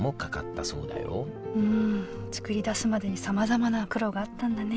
うん作り出すまでにさまざまな苦労があったんだね。